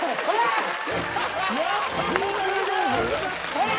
ほら！